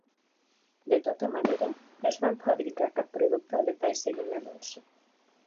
De tota manera, no es van fabrica cap producte al detall seguint l'anunci.